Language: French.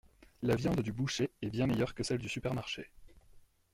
La viande du boucher est bien meilleure que celle du supermarché.